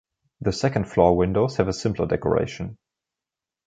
The second-floor windows have a simpler decoration.